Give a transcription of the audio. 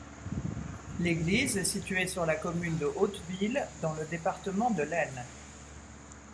L'église est située sur la commune de Hauteville, dans le département de l'Aisne.